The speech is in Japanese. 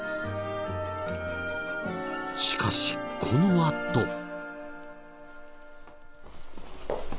しかしこのあと。